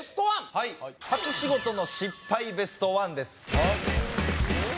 はい初仕事の失敗ベストワンです